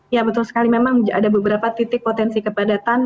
ya betul sekali memang ada beberapa titik potensi kepadatan